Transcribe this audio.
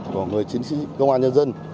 của người chiến sĩ công an nhân dân